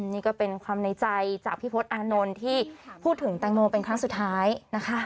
นี่ก็เป็นความในใจจากพี่พศอานนท์ที่พูดถึงแตงโมเป็นครั้งสุดท้ายนะคะ